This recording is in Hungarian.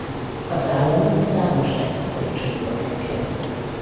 Az államot számos etnikai csoport lakja.